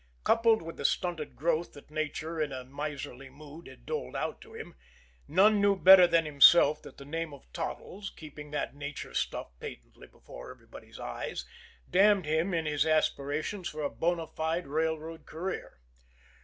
Coupled with the stunted growth that nature in a miserly mood had doled out to him, none knew better than himself that the name of "Toddles," keeping that nature stuff patently before everybody's eyes, damned him in his aspirations for a bona fide railroad career.